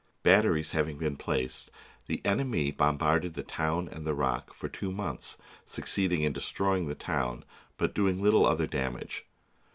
Batteries having been placed, the enemy bombarded the town and the rock for two months, succeeding in destroying the town, but doing little other damage.